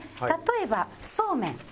例えばそうめん。